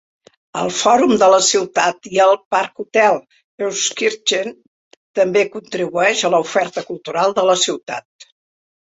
El Fòrum de la ciutat i el Parkhotel Euskirchen també contribueix a l'oferta cultural de la ciutat.